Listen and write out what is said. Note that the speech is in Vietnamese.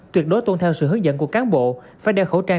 tuyệt đối tôn theo sự hướng dẫn của cán bộ phải đeo khẩu trang